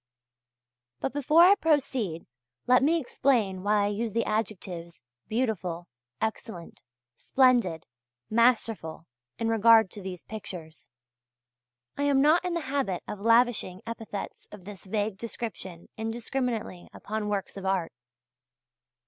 But before I proceed let me explain why I use the adjectives "beautiful, excellent, splendid, masterful" in regard to these pictures. I am not in the habit of lavishing epithets of this vague description indiscriminately upon works of art.